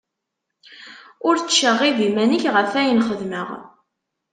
Ur ttceɣɣib iman-ik ɣef ayen xedmeɣ.